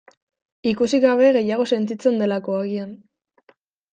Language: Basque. Ikusi gabe gehiago sentitzen delako, agian.